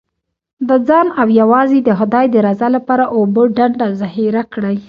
د ځان او یوازې د خدای د رضا لپاره اوبه ډنډ او ذخیره کړئ.